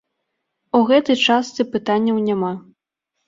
У гэтай частцы пытанняў няма.